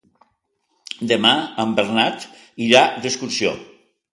Demà en Bernat irà d'excursió.